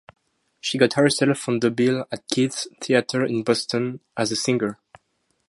She got herself on the bill at Keith's Theater in Boston as a singer.